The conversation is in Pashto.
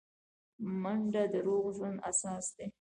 منډه د روغ ژوند اساس ده